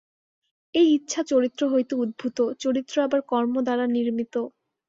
এই ইচ্ছা চরিত্র হইতে উদ্ভূত, চরিত্র আবার কর্মদ্বারা নির্মিত।